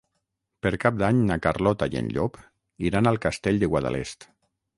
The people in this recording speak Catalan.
Per Cap d'Any na Carlota i en Llop iran al Castell de Guadalest.